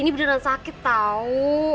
ini beneran sakit tau